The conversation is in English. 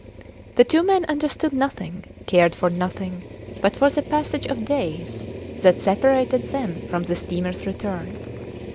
The two men understood nothing, cared for nothing but for the passage of days that separated them from the steamers return.